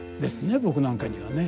僕なんかにはね。